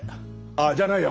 あぁじゃないや。